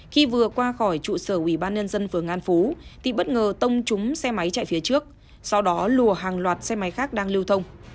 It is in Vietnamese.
khi vừa qua khỏi trụ sở ủy ban nhân dân phường an phú thì bất ngờ tông trúng xe máy chạy phía trước sau đó lùa hàng loạt xe máy khác đang lưu thông